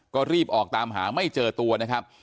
ก็รีบออกตามหาไม่เจอตัวนะครับ